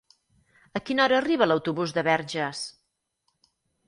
A quina hora arriba l'autobús de Verges?